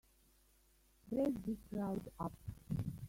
Break this crowd up!